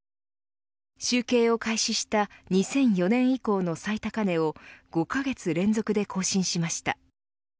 集計を開始した２００４年以降の最高値を５カ月連続で更新しました。